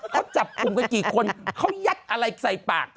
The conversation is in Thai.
เขาจับกลุ่มกันกี่คนเขายัดอะไรใส่ปาก